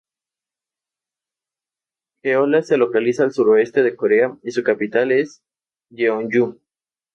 Jeolla se localiza al suroeste de Corea y su capital es Jeonju.